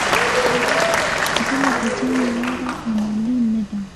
ولې د جنګ لاره عملي نه ده؟